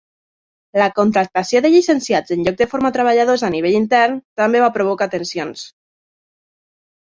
La contractació de llicenciats en lloc de formar treballadors a nivell intern també va provocar tensions.